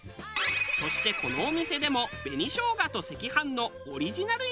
そしてこのお店でも紅生姜と赤飯のオリジナル稲荷を出している。